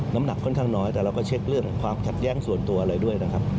น้ำหนักค่อนข้างน้อยแต่เราก็เช็คเรื่องความขัดแย้งส่วนตัวอะไรด้วยนะครับ